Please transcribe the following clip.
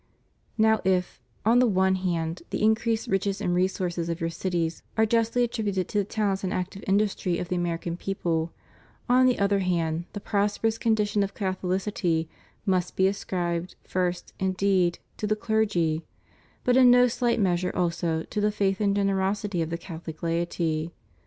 Now if, on the one hand, the increased riches and resources of your cities are justly attributed to the talents and active industry of the American people, on the other hand, the prosperous con dition of Catholicity must be ascribed, first indeed, to the virtue, the ability, and the prudence of the bishops and clergy; but in no slight measure also, to the faith and generosity of the Cathohc laity.